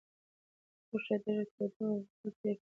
غوښه ډېره توده وه او بخار ترې پورته کېده.